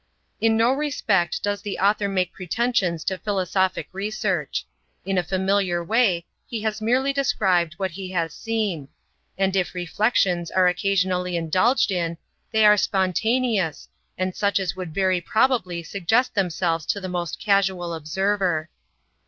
In no respect does the author make pretensions to philosophic research. In a familiar way, he has merely described what he has seen ; and if reflections are occasionally indulged in, they are spontaneous, and such as would very probably suggest themselves to the most casual observer.